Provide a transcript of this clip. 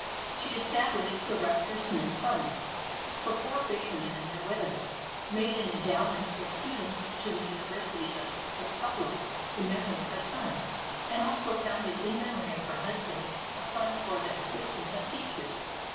She established the "Rutger Smith Fund" for poor fishermen and their widows, made an endowment for students to the University of Upsala in memory of her son, and also founded in memory of her husband a fund for the assistance of teachers.